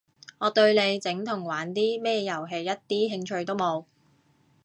我對你整同玩啲咩遊戲一啲興趣都冇